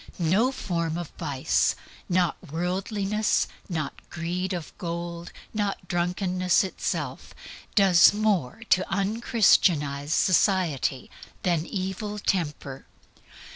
No form of vice, not worldliness, not greed of gold, not drunkenness itself, does more to un Christianize society than evil temper.